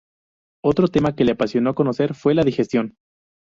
Otro tema que le apasionó conocer fue la digestión.